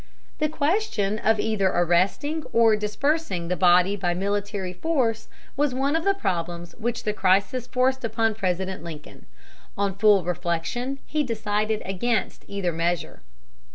The question of either arresting or dispersing the body by military force was one of the problems which the crisis forced upon President Lincoln. On full reflection he decided against either measure.